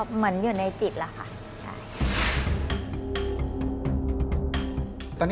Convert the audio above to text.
สุดท้าย